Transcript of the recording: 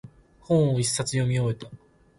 本を一冊読み終えた。